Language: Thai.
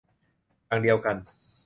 อย่างเดียวกัน